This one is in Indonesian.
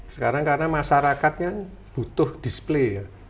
sekarang karena masyarakatnya butuh display ya